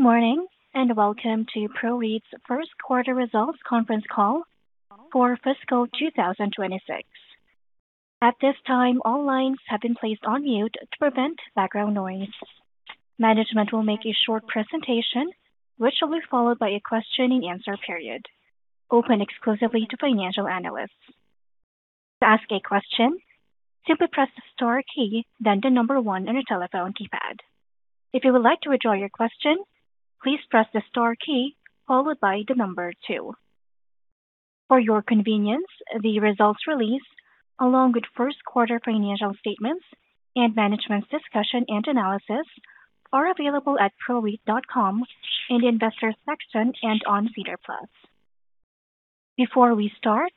Morning, Welcome to PROREIT's first quarter results conference call for fiscal 2026. At this time, all lines have been placed on mute to prevent background noise. Management will make a short presentation, which will be followed by a question-and-answer period open exclusively to financial analysts. To ask a question, simply press the star key, the number one on your telephone keypad. If you would like to withdraw your question, please press the star key followed by the number two. For your convenience, the results release, along with first quarter financial statements and management's discussion and analysis are available at proreit.com in the investor section and on SEDAR Plus. Before we start,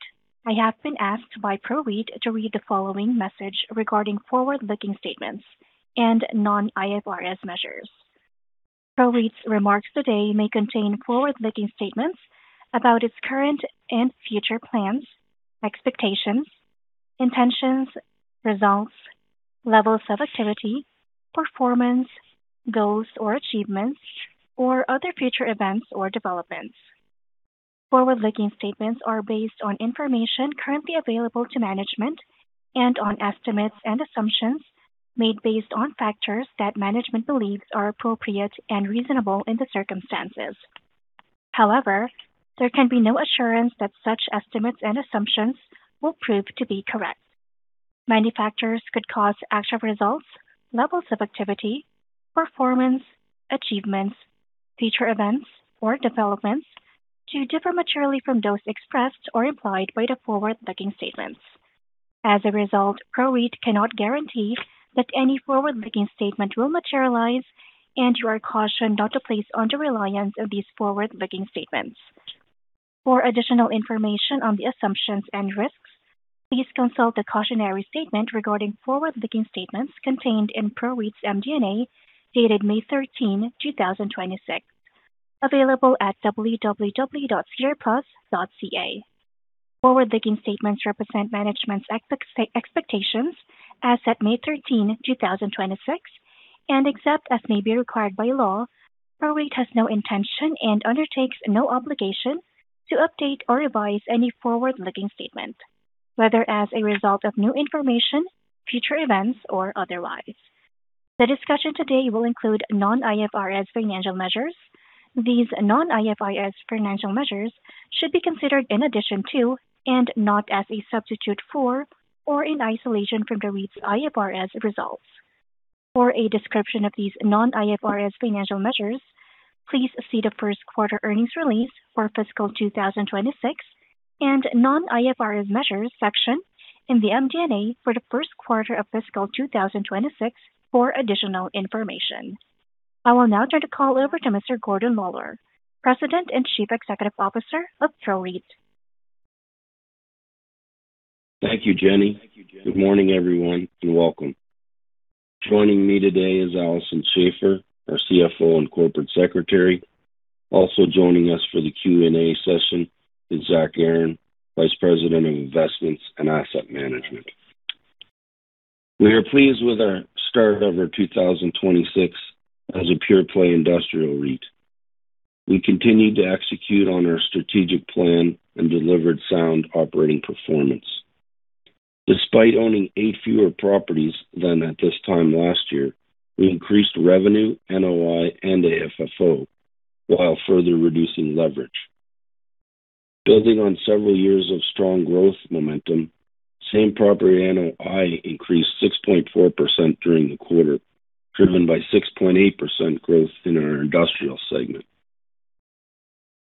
I have been asked by PROREIT to read the following message regarding forward-looking statements and non-IFRS measures. PROREIT's remarks today may contain forward-looking statements about its current and future plans, expectations, intentions, results, levels of activity, performance, goals or achievements, or other future events or developments. Forward-looking statements are based on information currently available to management and on estimates and assumptions made based on factors that management believes are appropriate and reasonable in the circumstances. However, there can be no assurance that such estimates and assumptions will prove to be correct. Many factors could cause actual results, levels of activity, performance, achievements, future events, or developments to differ materially from those expressed or implied by the forward-looking statements. As a result, PROREIT cannot guarantee that any forward-looking statement will materialize, and you are cautioned not to place undue reliance on these forward-looking statements. For additional information on the assumptions and risks, please consult the cautionary statement regarding forward-looking statements contained in PROREIT's MD&A, dated May 13, 2026, available at www.sedarplus.ca. Forward-looking statements represent management's expectations as at May 13, 2026, and except as may be required by law, PROREIT has no intention and undertakes no obligation to update or revise any forward-looking statement, whether as a result of new information, future events, or otherwise. The discussion today will include non-IFRS financial measures. These non-IFRS financial measures should be considered in addition to and not as a substitute for or in isolation from the REIT's IFRS results. For a description of these non-IFRS financial measures, please see the first quarter earnings release for fiscal 2026 and non-IFRS measures section in the MD&A for the first quarter of fiscal 2026 for additional information. I will now turn the call over to Mr. Gordon Lawlor, President and Chief Executive Officer of PROREIT. Thank you, Jenny. Good morning, everyone, and welcome. Joining me today is Alison Schafer, our CFO and Corporate Secretary. Also joining us for the Q&A session is Zachary Aaron, Vice President of Investments and Asset Management. We are pleased with our start of our 2026 as a pure play industrial REIT. We continued to execute on our strategic plan and delivered sound operating performance. Despite owning 8 fewer properties than at this time last year, we increased revenue, NOI, and AFFO while further reducing leverage. Building on several years of strong growth momentum. Same Property NOI increased 6.4% during the quarter, driven by 6.8% growth in our industrial segment.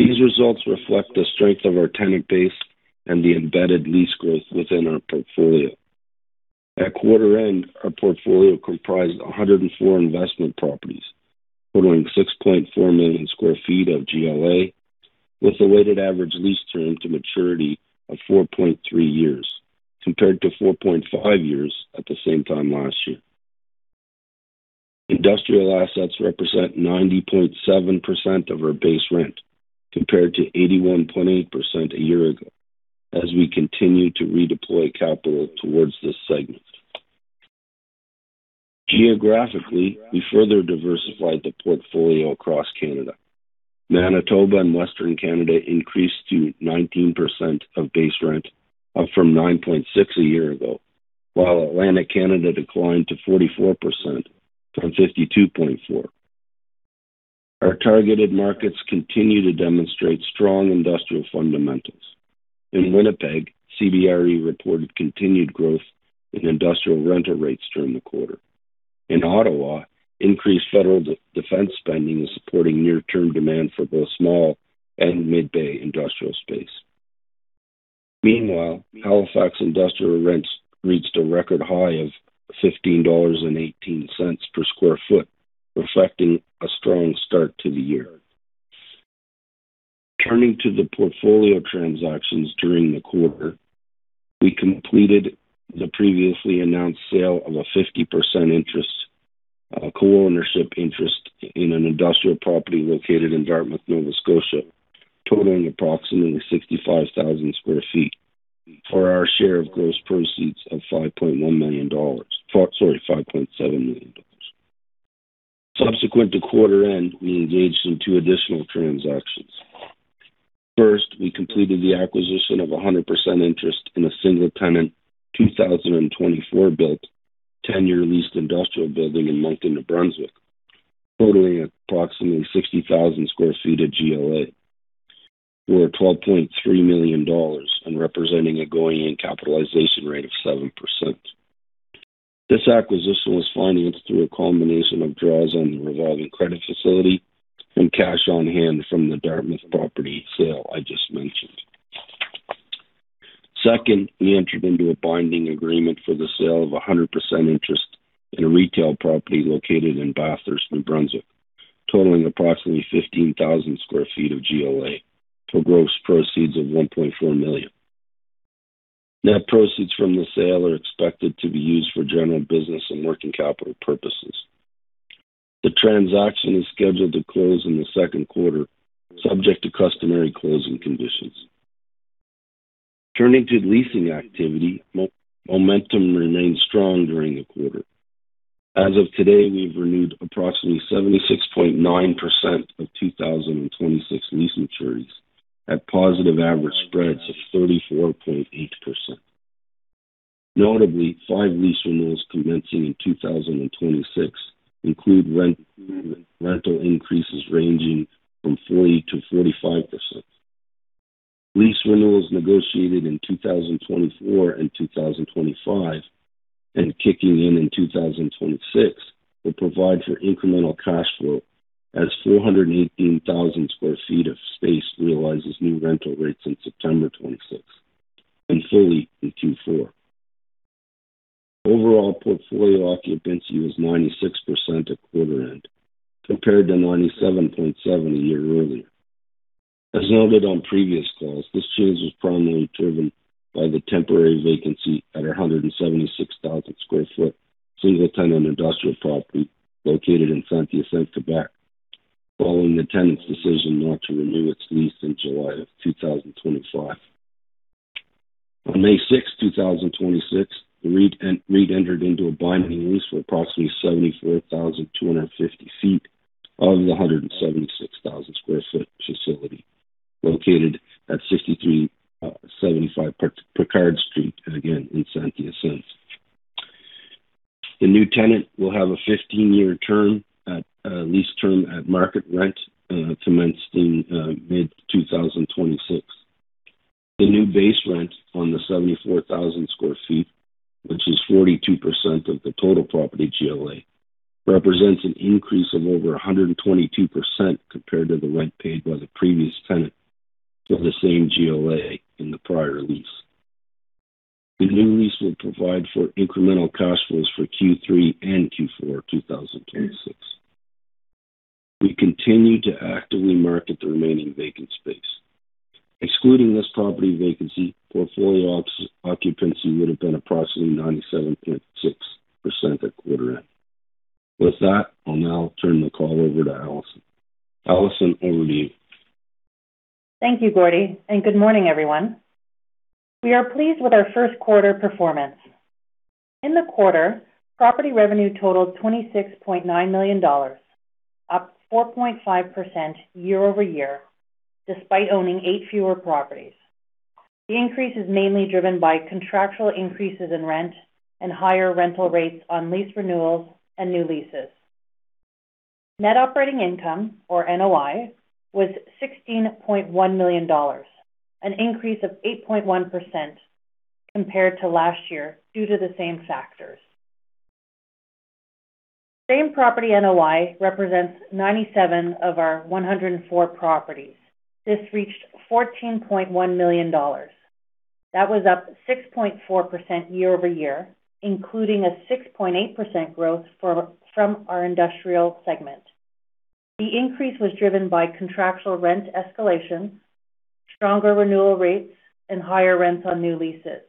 These results reflect the strength of our tenant base and the embedded lease growth within our portfolio. At quarter end, our portfolio comprised 104 investment properties totaling 6.4 million sq ft of GLA, with a weighted average lease term to maturity of 4.3 years, compared to 4.5 years at the same time last year. Industrial assets represent 90.7% of our base rent, compared to 81.8% a year ago as we continue to redeploy capital towards this segment. Geographically, we further diversified the portfolio across Canada. Manitoba and Western Canada increased to 19% of base rent, up from 9.6% a year ago, while Atlantic Canada declined to 44% from 52.4%. Our targeted markets continue to demonstrate strong industrial fundamentals. In Winnipeg, CBRE reported continued growth in industrial rental rates during the quarter. In Ottawa, increased federal de-defense spending is supporting near-term demand for both small and mid-bay industrial space. Meanwhile, Halifax industrial rents reached a record high of 15.18 dollars /sq ft, reflecting a strong start to the year. Turning to the portfolio transactions during the quarter, we completed the previously announced sale of a 50% interest, co-ownership interest in an industrial property located in Dartmouth, Nova Scotia. Totaling approximately 65,000 sq ft for our share of gross proceeds of 5.1 million dollars. Sorry, 5.7 million dollars. Subsequent to quarter end, we engaged in 2 additional transactions. First, we completed the acquisition of a 100% interest in a single tenant, 2024 built, 10-year leased industrial building in Moncton, New Brunswick, totaling approximately 60,000 sq ft of GLA for 12.3 million dollars and representing a going-in capitalization rate of 7%. This acquisition was financed through a combination of draws on the revolving credit facility and cash on hand from the Dartmouth property sale I just mentioned. Second, we entered into a binding agreement for the sale of a 100% interest in a retail property located in Bathurst, New Brunswick, totaling approximately 15,000 sq ft of GLA for gross proceeds of 1.4 million. Net proceeds from the sale are expected to be used for general business and working capital purposes. The transaction is scheduled to close in the second quarter, subject to customary closing conditions. Turning to leasing activity, momentum remained strong during the quarter. As of today, we've renewed approximately 76.9% of 2026 lease maturities at positive average spreads of 34.8%. Notably, five lease renewals commencing in 2026 include rental increases ranging from 40% to 45%. Lease renewals negotiated in 2024 and 2025, and kicking in in 2026, will provide for incremental cash flow as 418,000 sq ft of space realizes new rental rates in September 2026, and fully in Q4. Overall portfolio occupancy was 96% at quarter end, compared to 97.7% a year earlier. As noted on previous calls, this change was primarily driven by the temporary vacancy at a 176,000 sq ft, single tenant industrial property located in Saint-Hyacinthe, Quebec, following the tenant's decision not to renew its lease in July 2025. On May 6, 2026, the REIT entered into a binding lease for approximately 74,250 sq ft of the 176,000 sq ft facility located at 6375 Picard Street again, in Saint-Hyacinthe. The new tenant will have a 15-year term at lease term at market rent, commenced in mid-2026. The new base rent on the 74,000 sq ft, which is 42% of the total property GLA, represents an increase of over 122% compared to the rent paid by the previous tenant for the same GLA in the prior lease. The new lease will provide for incremental cash flows for Q3 and Q4, 2026. We continue to actively market the remaining vacant space. Excluding this property vacancy, portfolio occupancy would have been approximately 97.6% at quarter end. With that, I'll now turn the call over to Alison. Alison, over to you. Thank you, Gordon. Good morning, everyone. We are pleased with our first quarter performance. In the quarter, property revenue totaled 26.9 million dollars, up 4.5% year-over-year, despite owning eight fewer properties. The increase is mainly driven by contractual increases in rent and higher rental rates on lease renewals and new leases. Net Operating Income, or NOI, was 16.1 million dollars, an increase of 8.1% compared to last year due to the same factors. Same Property NOI represents 97 of our 104 properties. This reached 14.1 million dollars. That was up 6.4% year-over-year, including a 6.8% growth from our industrial segment. The increase was driven by contractual rent escalation, stronger renewal rates, and higher rents on new leases.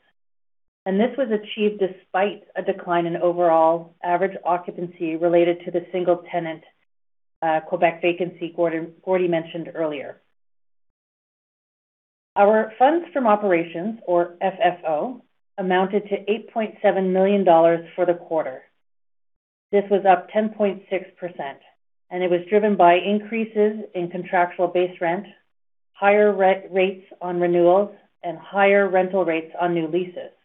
This was achieved despite a decline in overall average occupancy related to the single tenant, Quebec vacancy Gordon, Gordy mentioned earlier. Our funds from operations, or FFO, amounted to 8.7 million dollars for the quarter. This was up 10.6%, and it was driven by increases in contractual base rent, higher re-rates on renewals, and higher rental rates on new leases.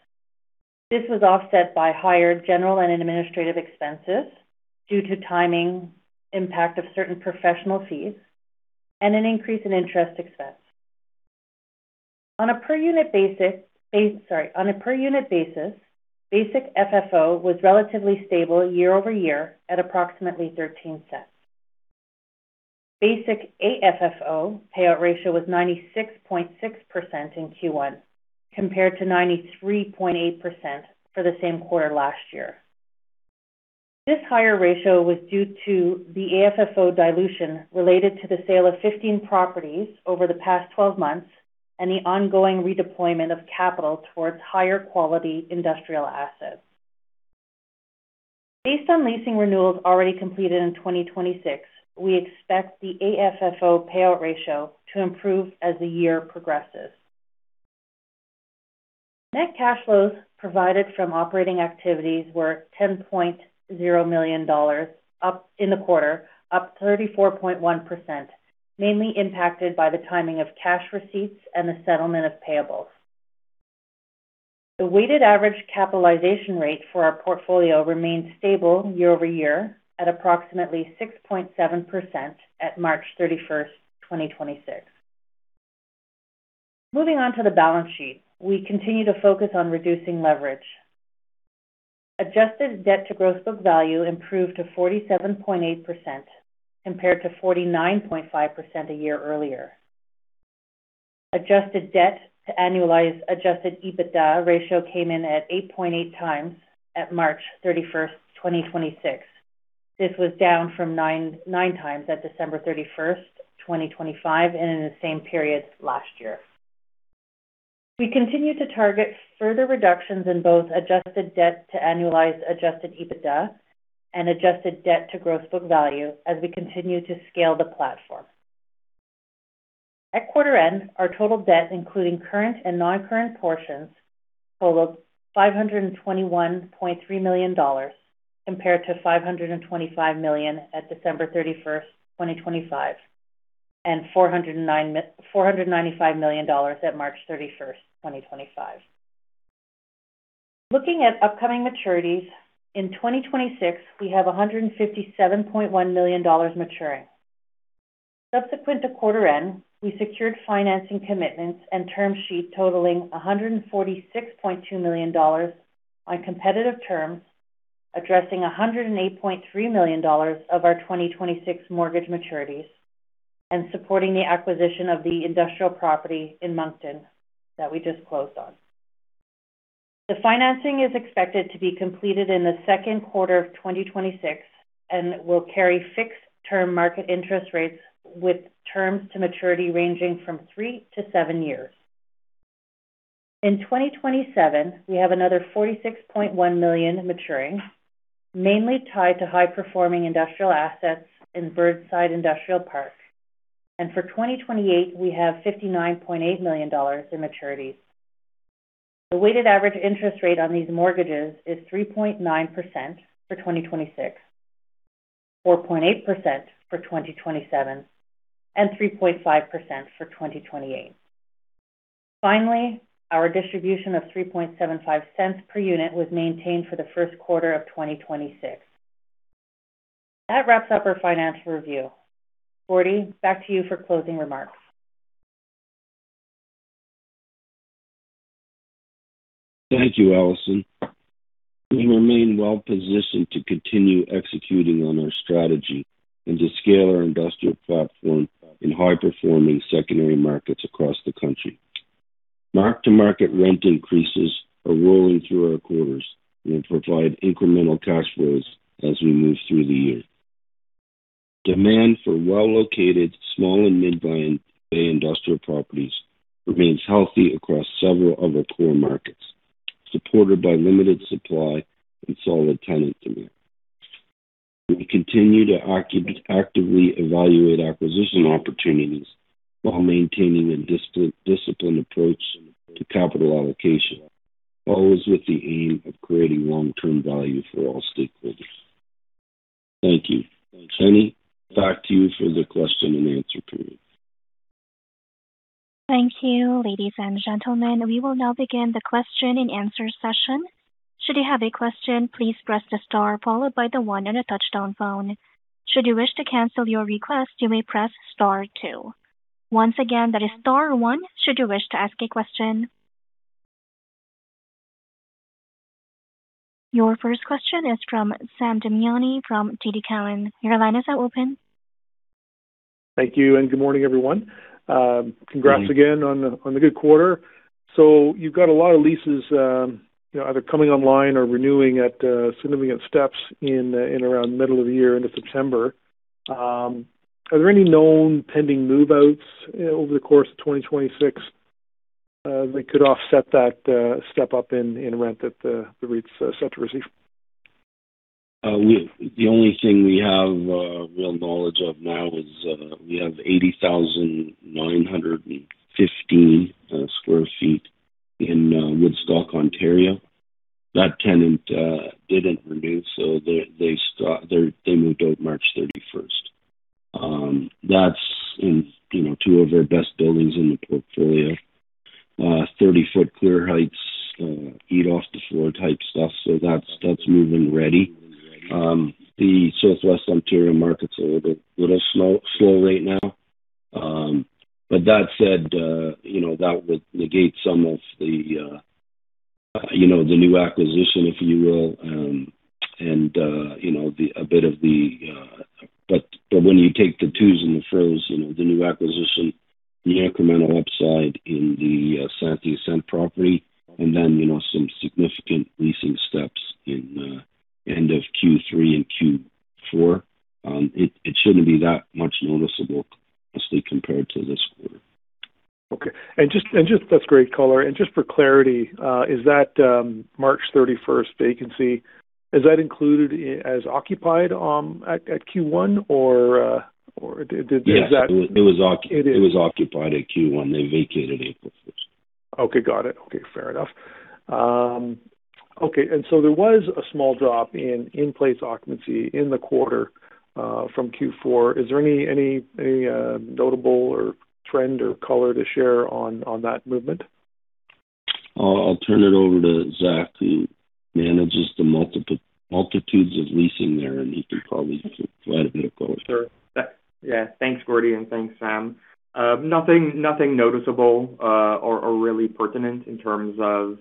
This was offset by higher general and administrative expenses due to timing, impact of certain professional fees, and an increase in interest expense. On a per unit basis, basic FFO was relatively stable year-over-year at approximately 0.13. Basic AFFO payout ratio was 96.6% in Q1, compared to 93.8% for the same quarter last year. This higher ratio was due to the AFFO dilution related to the sale of 15 properties over the past 12 months and the ongoing redeployment of capital towards higher quality industrial assets. Based on leasing renewals already completed in 2026, we expect the AFFO payout ratio to improve as the year progresses. Net cash flows provided from operating activities were 10.0 million dollars in the quarter, up 34.1%, mainly impacted by the timing of cash receipts and the settlement of payables. The weighted average capitalization rate for our portfolio remained stable year-over-year at approximately 6.7% at March 31st, 2026. Moving on to the balance sheet. We continue to focus on reducing leverage. Adjusted debt to gross book value improved to 47.8% compared to 49.5% a year earlier. Adjusted debt to annualized adjusted EBITDA ratio came in at 8.8x at March 31st, 2026. This was down from 9.9x at December 31st, 2025, and in the same period last year. We continue to target further reductions in both adjusted debt to annualized adjusted EBITDA and adjusted debt to gross book value as we continue to scale the platform. At quarter end, our total debt, including current and non-current portions, totaled 521.3 million dollars, compared to 525 million at December 31st, 2025, and 495 million dollars at March 31st, 2025. Looking at upcoming maturities, in 2026, we have 157.1 million dollars maturing. Subsequent to quarter end, we secured financing commitments and term sheet totaling 146.2 million dollars on competitive terms, addressing 108.3 millions dollars of our 2026 mortgage maturities and supporting the acquisition of the industrial property in Moncton that we just closed on. The financing is expected to be completed in the second quarter of 2026 and will carry fixed term market interest rates with terms to maturity ranging from three to seven years. In 2027, we have another 46.1 million maturing, mainly tied to high performing industrial assets in Burnside Industrial Park. For 2028, we have 59.8 million dollars in maturities. The weighted average interest rate on these mortgages is 3.9% for 2026, 4.8% for 2027, and 3.5% for 2028. Our distribution of 0.0375 per unit was maintained for the first quarter of 2026. That wraps up our financial review. Gordon, back to you for closing remarks. Thank you, Alison. We remain well positioned to continue executing on our strategy and to scale our industrial platform in high performing secondary markets across the country. Mark to market rent increases are rolling through our quarters and provide incremental cash flows as we move through the year. Demand for well located small and mid bay industrial properties remains healthy across several of our core markets, supported by limited supply and solid tenant demand. We continue to actively evaluate acquisition opportunities while maintaining a disciplined approach to capital allocation, always with the aim of creating long-term value for all stakeholders. Thank you. Jenny, back to you for the question and answer period. Thank you, ladies and gentlemen. We will now begin the question and answer session. Should you have a question, please press the star followed by the one on a touch-tone phone. Should you wish to cancel your request, you may press star two. Once again, that is star 1 should you wish to ask a question. Your first question is from Sam Damiani from TD Cowen. Your line is now open. Thank you and good morning, everyone. Congrats again on the good quarter. You've got a lot of leases either coming online or renewing at significant steps in around middle of the year into September. Are there any known pending move-outs over the course of 2026 that could offset that step up in rent that the REITs are set to receive? We the only thing we have real knowledge of now is, we have 80,915 sq ft in Woodstock, Ontario. That tenant didn't renew, so they moved out March 31st. That's in, you know, two of our best buildings in the portfolio. 30-ft clear heights, eat off the floor type stuff. That's, that's move-in ready. The Southwest Ontario market's a little slow right now. That said, you know, that would negate some of the, you know, the new acquisition, if you will. When you take the twos and the three's, you know, the new acquisition, the incremental upside in the Saint-Hyacinthe property, and then, you know, some significant leasing steps in end of Q3 and Q4, it shouldn't be that much noticeable mostly compared to this quarter. Okay. Just that's great color. Just for clarity, is that March 31st, vacancy included as occupied at Q1? Yeah. It was occupied at Q1. They vacated April first. Okay. Got it. Okay. Fair enough. Okay. There was a small drop in in-place occupancy in the quarter from Q4. Is there any notable or trend or color to share on that movement? I'll turn it over to Zachary, who manages the multitudes of leasing there, and he can probably provide a bit of color. Sure. Yeah. Thanks, Gordon, and thanks, Sam. Nothing noticeable or really pertinent in terms of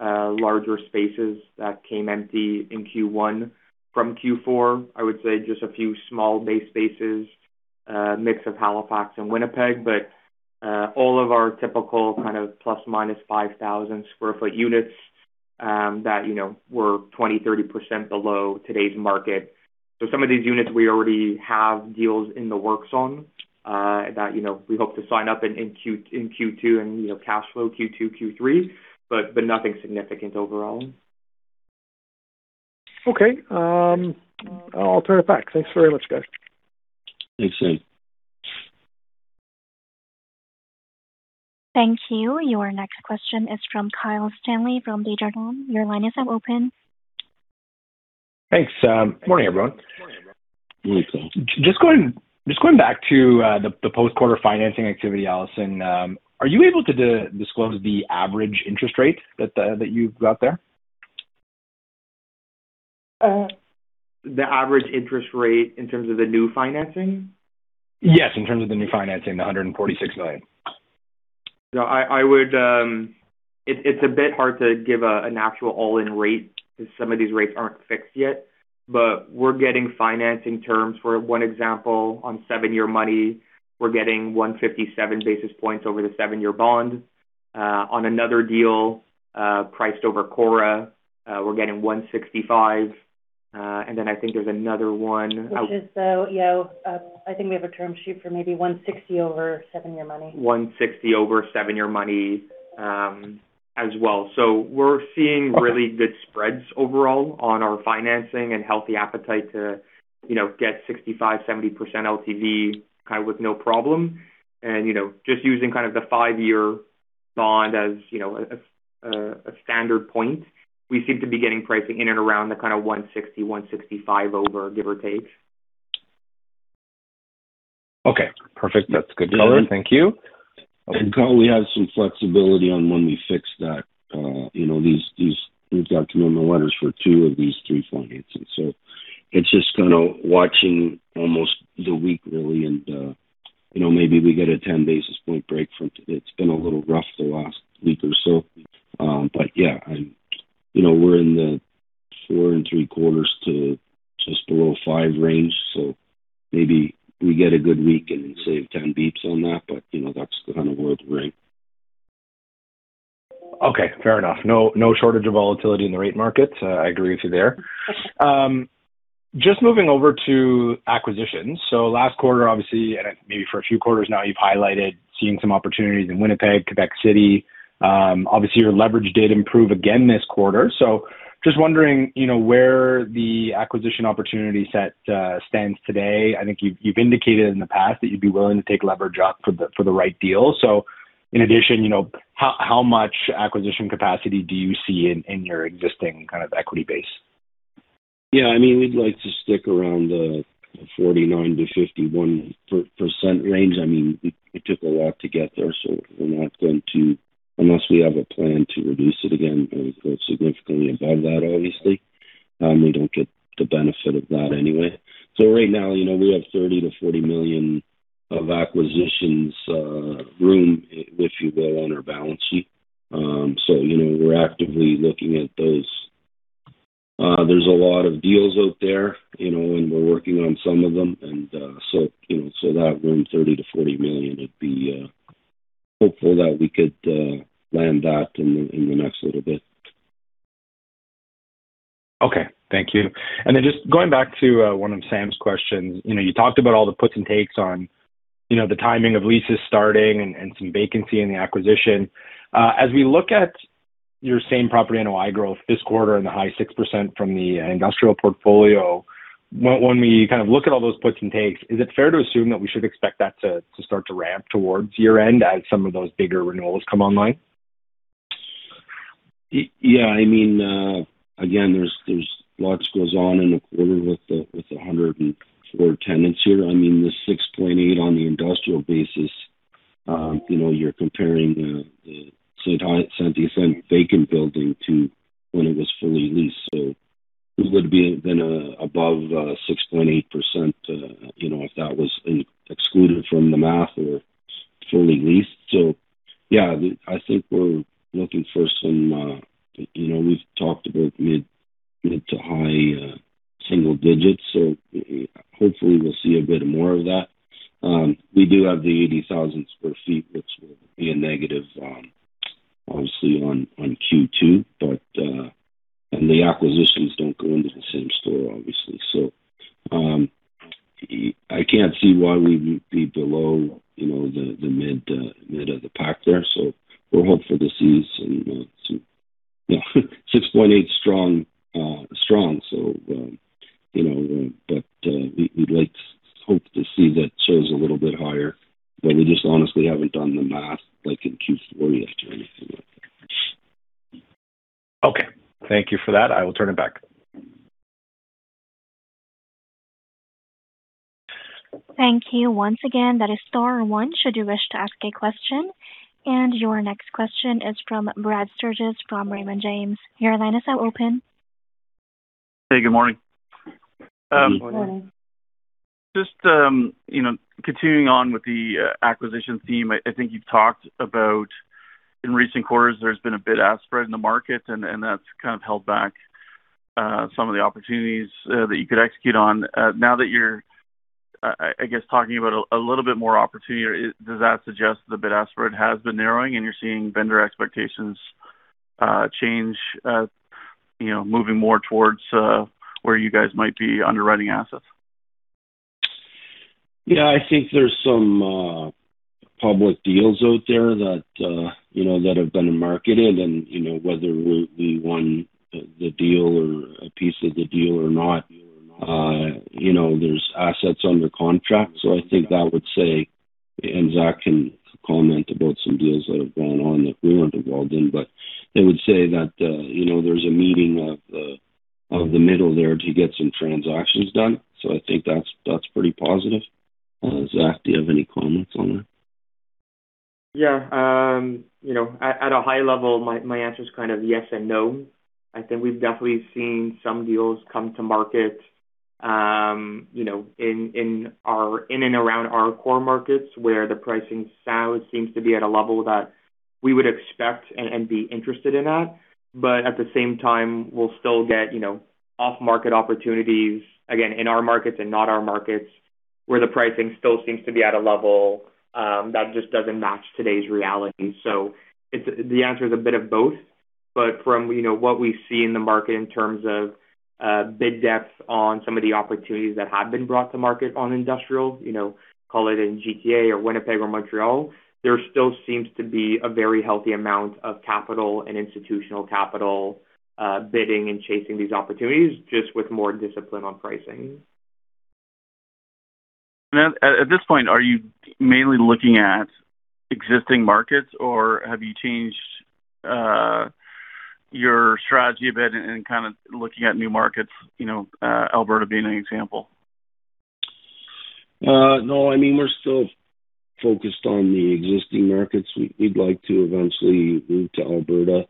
larger spaces that came empty in Q1 from Q4. I would say just a few small base spaces, mix of Halifax and Winnipeg. All of our typical kind of ±5,000 sq ft units that, you know, were 20%, 30% below today's market. Some of these units we already have deals in the works on that, you know, we hope to sign up in Q2 and, you know, cash flow Q2, Q3, but nothing significant overall. Okay. I'll turn it back. Thanks very much, guys. Thanks, Sam. Thank you. Your next question is from Kyle Stanley from Desjardins Capital Markets. Your line is now open. Thanks. Good morning, everyone. Good morning. Just going back to the post-quarter financing activity, Alison, are you able to disclose the average interest rate that you've got there? The average interest rate in terms of the new financing? Yes, in terms of the new financing, the 146 million. No, it's a bit hard to give an actual all-in rate because some of these rates aren't fixed yet. We're getting financing terms, for one example, on seven-year money, we're getting 157 basis points over the seven-year bond. On another deal, priced over CORRA, we're getting 165. Then I think there's another one. Which is the, you know, I think we have a term sheet for maybe 160 over seven-year money. 160 over seven-year money, as well. We're seeing really good spreads overall on our financing and healthy appetite to, you know, get 65%, 70% LTV kind of with no problem. You know, just using kind of the five-year bond as, you know, a standard point, we seem to be getting pricing in and around the kind of 160, 165 over, give or take. Okay. Perfect. That's good color. Thank you. Kyle, we have some flexibility on when we fix that. You know, we've got commitment letters for two of these three financings. It's just kind of watching almost the week really. You know, maybe we get a 10-basis point break. It's been a little rough the last week or so. Yeah, you know, we're in the 4.75 to just below five range. Maybe we get a good week and save 10 beeps on that. You know, that's kind of where we're at. Okay. Fair enough. No shortage of volatility in the rate markets. I agree with you there. Just moving over to acquisitions. Last quarter, obviously, and maybe for a few quarters now, you've highlighted seeing some opportunities in Winnipeg, Quebec City. Obviously, your leverage did improve again this quarter. Just wondering, you know, where the acquisition opportunity set stands today. I think you've indicated in the past that you'd be willing to take leverage up for the right deal. In addition, you know, how much acquisition capacity do you see in your existing kind of equity base? Yeah. I mean, we'd like to stick around the 49%-51% range. I mean, it took a lot to get there. Unless we have a plan to reduce it again and go significantly above that, obviously, we don't get the benefit of that anyway. Right now, you know, we have 30 million-40 million of acquisitions room, if you will, on our balance sheet. You know, we're actively looking at those. There's a lot of deals out there, you know, we're working on some of them. You know that room, 30 million-40 million, it'd be hopeful that we could land that in the next little bit. Okay. Thank you. Just going back to one of Sam's questions. You know, you talked about all the puts and takes on, you know, the timing of leases starting and some vacancy in the acquisition. As we look at your Same Property NOI growth this quarter in the high 6% from the industrial portfolio, when we kind of look at all those puts and takes, is it fair to assume that we should expect that to start to ramp towards year-end as some of those bigger renewals come online? Yeah. I mean, again, there's lots goes on in the quarter with the 104 tenants here. I mean, the 6.8% on the industrial basis, you know, you're comparing the Saint-Hyacinthe vacant building to when it was fully leased. It would be then above 6.8%, you know, if that was excluded from the math or fully leased. Yeah, I think we're looking for some, you know, we've talked about mid to high single digits. Hopefully we'll see a bit more of that. We do have the 80,000 sq ft, which will be a negative. Obviously on Q2, but and the acquisitions don't go into the same store obviously. I can't see why we would be below, you know, the mid of the pack there. We'll hope for the Cs and see. Yeah, 6.8 strong. You know, we'd like hope to see that shows a little bit higher, but we just honestly haven't done the math like in Q4 yet or anything like that. Okay. Thank you for that. I will turn it back. Thank you. Once again, that is star one should you wish to ask a question. Your next question is from Brad Sturges from Raymond James. Your line is now open. Hey, good morning. Good morning. Good morning. Just, you know, continuing on with the acquisition theme. I think you've talked about in recent quarters there's been a bid-ask spread in the market and that's kind of held back some of the opportunities that you could execute on. Now that you're, I guess talking about a little bit more opportunity, does that suggest the bid-ask spread has been narrowing and you're seeing vendor expectations change, you know, moving more towards where you guys might be underwriting assets? I think there's some public deals out there that, you know, that have been marketed and, you know, whether we won the deal or a piece of the deal or not, you know, there's assets under contract. I think that would say, and Zach can comment about some deals that have gone on that we weren't involved in, but they would say that, you know, there's a meeting of the middle there to get some transactions done. I think that's pretty positive. Zach, do you have any comments on that? Yeah. You know, at a high level, my answer is kind of yes and no. I think we've definitely seen some deals come to market, you know, in and around our core markets where the pricing seems to be at a level that we would expect and be interested in that. At the same time, we'll still get, you know, off market opportunities, again, in our markets and not our markets where the pricing still seems to be at a level that just doesn't match today's reality. The answer is a bit of both. From, you know, what we see in the market in terms of bid depth on some of the opportunities that have been brought to market on industrial, you know, call it in GTA or Winnipeg or Montreal, there still seems to be a very healthy amount of capital and institutional capital bidding and chasing these opportunities just with more discipline on pricing. At this point, are you mainly looking at existing markets or have you changed your strategy a bit and kind of looking at new markets, you know, Alberta being an example? No. I mean, we're still focused on the existing markets. We'd like to eventually move to Alberta.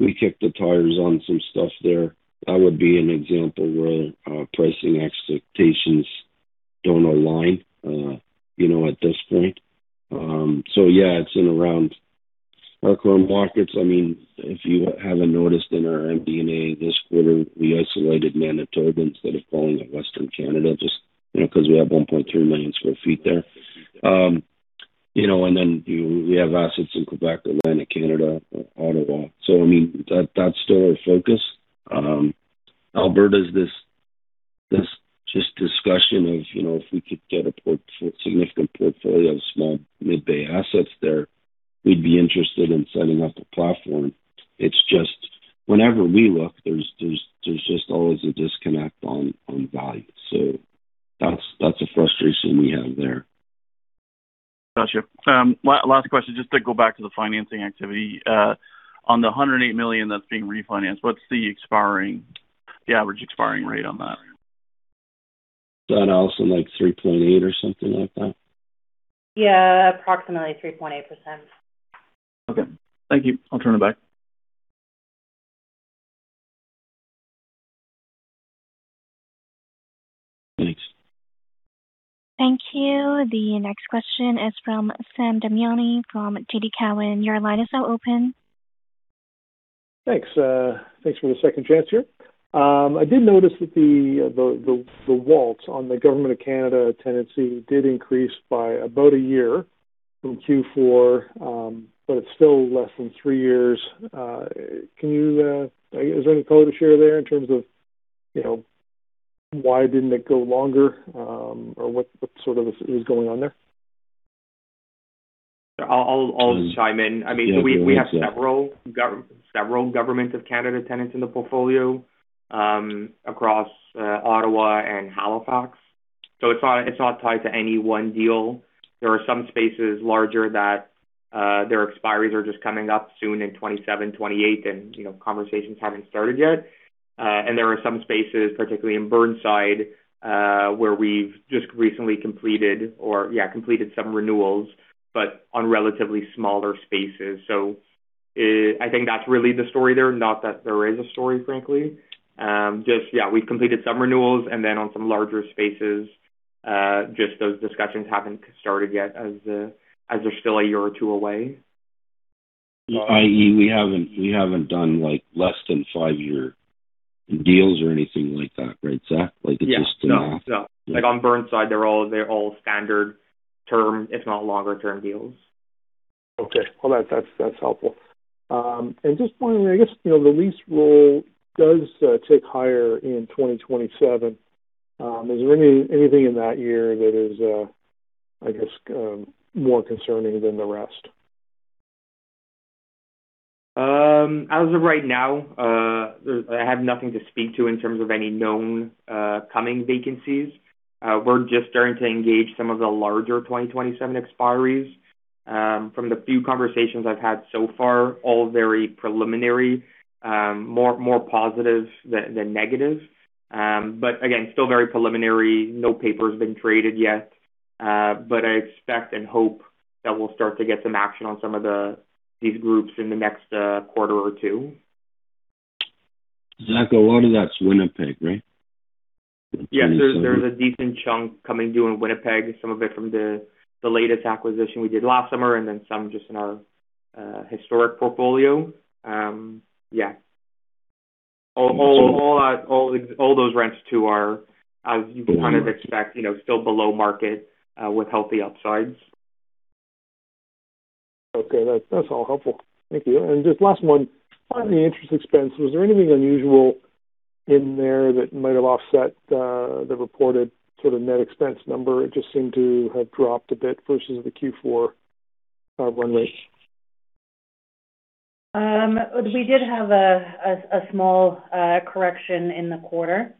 We kicked the tires on some stuff there. That would be an example where pricing expectations don't align, you know, at this point. So yeah, it's in around our current markets. I mean, if you haven't noticed in our MD&A this quarter, we isolated Manitoba instead of calling it Western Canada, just, you know, cause we have 1.3 million sq ft there. You know, and then we have assets in Quebec, Atlantic Canada, Ottawa. I mean, that's still our focus. Alberta's this just discussion of, you know, if we could get a significant portfolio of small mid bay assets there, we'd be interested in setting up a platform. It's just whenever we look, there's just always a disconnect on value. That's a frustration we have there. Gotcha. Last question just to go back to the financing activity. On the 108 million that's being refinanced, what's the average expiring rate on that? Is that also like 3.8% or something like that? Yeah, approximately 3.8%. Okay. Thank you. I'll turn it back. Thanks. Thank you. The next question is from Sam Damiani from TD Cowen. Your line is now open. Thanks. Thanks for the second chance here. I did notice that the WALT on the Government of Canada tenancy did increase by about a year from Q4, but it's still less than three years. Is there any color to share there in terms of, you know, why didn't it go longer? Or what sort of was going on there? I'll just chime in. Yeah, go ahead, Zachary. I mean, we have several Government of Canada tenants in the portfolio, across Ottawa and Halifax. It's not tied to any one deal. There are some spaces larger that their expiries are just coming up soon in 2027, 2028, you know, conversations haven't started yet. There are some spaces, particularly in Burnside, where we've just recently completed some renewals, but on relatively smaller spaces. I think that's really the story there, not that there is a story, frankly. Just, we've completed some renewals on some larger spaces, just those discussions haven't started yet as they're still a year or two away. Yeah. I.e., we haven't done like less than five-year deals or anything like that, right, Zachary? Yeah. No, no. Like, on Burnside, they're all standard term, if not longer-term deals. Okay. Well, that's helpful. Just finally, I guess, you know, the lease roll does tick higher in 2027. Is there anything in that year that is, I guess, more concerning than the rest? As of right now, I have nothing to speak to in terms of any known coming vacancies. We're just starting to engage some of the larger 2027 expiries. From the few conversations I've had so far, all very preliminary, more positive than negative. Again, still very preliminary. No paper's been traded yet. I expect and hope that we'll start to get some action on these groups in the next quarter or two. Zachary, a lot of that's Winnipeg, right? Yes. There's a decent chunk coming due in Winnipeg, some of it from the latest acquisition we did last summer and then some just in our historic portfolio. Yeah. All those rents too are, you kind of expect, you know, still below market with healthy upsides. Okay. That's all helpful. Thank you. Just last one. Finally, interest expense. Was there anything unusual in there that might have offset the reported sort of net expense number? It just seemed to have dropped a bit versus the Q4 run rate. We did have a small correction in the quarter.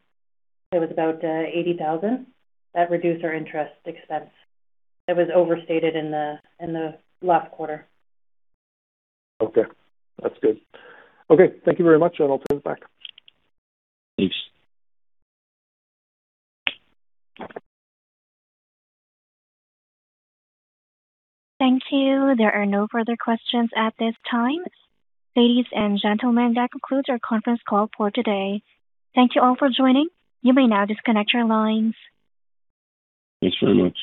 It was about 80,000. That reduced our interest expense. It was overstated in the last quarter. Okay. That's good. Okay. Thank you very much, and I'll turn it back. Thanks. Thank you. There are no further questions at this time. Ladies and gentlemen, that concludes our conference call for today. Thank you all for joining. You may now disconnect your lines. Thanks very much.